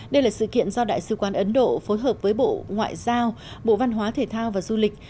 đây là sự kiện do đại sứ quán ấn độ phối hợp với bộ ngoại giao bộ văn hóa thể thao và du lịch